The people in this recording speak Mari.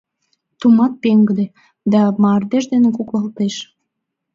— Тумат пеҥгыде да мардеж дене куклалтеш.